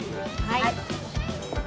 はい。